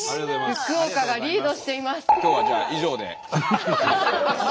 福岡がリードしています。